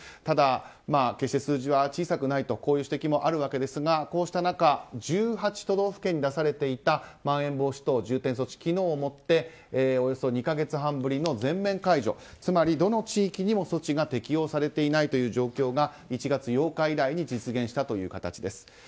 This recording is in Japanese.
ただ、決して数字は小さくないという指摘もあるわけですがこうした中、１８都道府県に出されていたまん延防止等重点措置昨日をもっておよそ２か月半ぶりの全面解除つまりどの地域にも措置が適用されていないという状況が１月８日以来に実現したという形です。